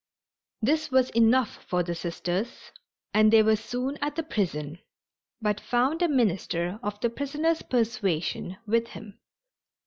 This was enough for the Sisters, and they were soon at the prison, but found a minister of the prisoner's persuasion with him.